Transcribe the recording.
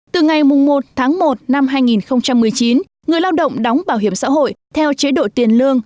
từ ngày một tháng một năm hai nghìn một mươi chín người lao động đóng bảo hiểm xã hội theo chế độ tiền lương